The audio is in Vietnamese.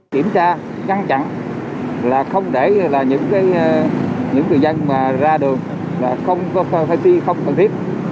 kiểm tra căng chẳng là không để những người dân ra đường là không phải đi không cần thiết